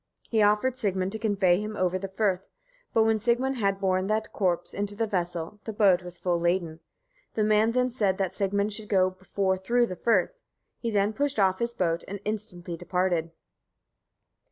He offered Sigmund to convey him over the firth; but when Sigmund had borne the corpse into the vessel, the boat was full laden. The man then said that Sigmund should go before through the firth. He then pushed off his boat and instantly departed.